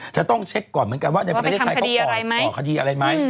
จะต้องเช็คก่อนเหมือนกันว่าในประเทศไทยเขาก่อคดีอะไรไหม